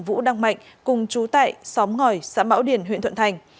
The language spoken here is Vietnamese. vũ đăng mạnh cùng chú tại xóm ngòi xã mão điền huyện thuận thành